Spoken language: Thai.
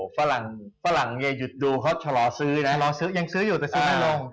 ฝรั่งฝรั่งอย่าหยุดดูเขาชะลอซื้อนะรอซื้อยังซื้ออยู่แต่ซื้อไม่ลง